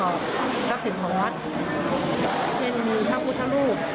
ทรัพย์สินของวัดเช่นพระพุทธรูป